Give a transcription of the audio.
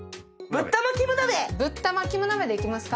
ぶったまキム鍋でいきますか。